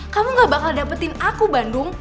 kamu gak bakal dapetin aku bandung